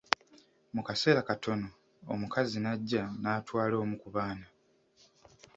Mu kaseera katono, omukazi n'ajja n'atwala omu ku baana.